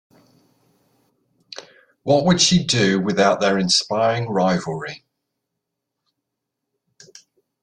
What would she do without their inspiring rivalry?